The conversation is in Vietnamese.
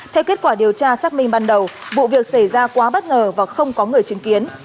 theo kết quả điều tra xác minh ban đầu vụ việc xảy ra quá bất ngờ và không có người chứng kiến